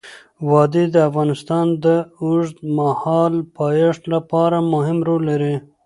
وادي د افغانستان د اوږدمهاله پایښت لپاره مهم رول لري.